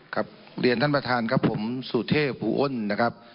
เรียนท่านประธานครับผมสุเทพภูอ้นนะครับ